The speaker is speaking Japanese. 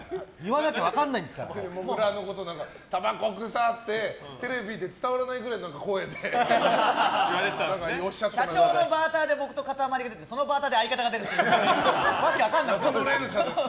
もぐらのこと、たばこ臭いってテレビで伝わらないくらいの声で社長のバーターで僕とかたまりが出てそのバーターで相方が出るって訳分からないです。